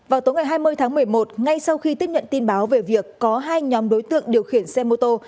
vào tối ngày hai mươi tháng một mươi một ngay sau khi tiếp nhận tin báo về việc có hai nhóm đối tượng điều khiển xe mô tô